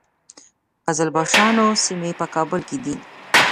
د قزلباشانو سیمې په کابل کې دي